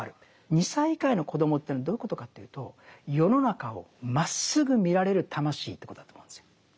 ２歳以下の子供というのはどういうことかというと世の中をまっすぐ見られる魂ということだと思うんですよ。